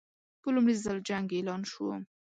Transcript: په لومړي ځل جنګ اعلان شو.